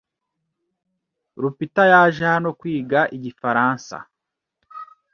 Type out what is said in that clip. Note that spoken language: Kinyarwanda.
Rupita yaje hano kwiga igifaransa.